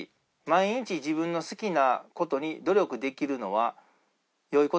「毎日自分の好きなことに努力できてるのは良いことだ」